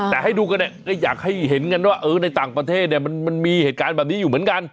แต่ให้ดูกันเนี่ยก็อยากให้เห็นกันว่าในต่างประเทศเนี่ยมันมีเหตุการณ์แบบนี้อยู่เหมือนกัน